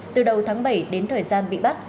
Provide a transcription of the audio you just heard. từ đầu tháng bảy đến thời gian bị bắt